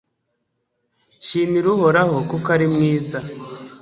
shimira uhoraho kuko ari mwiza